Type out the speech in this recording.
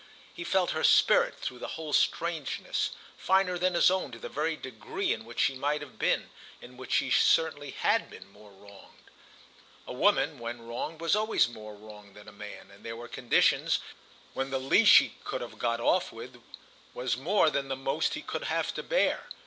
He felt her spirit, through the whole strangeness, finer than his own to the very degree in which she might have been, in which she certainly had been, more wronged. A women, when wronged, was always more wronged than a man, and there were conditions when the least she could have got off with was more than the most he could have to bear.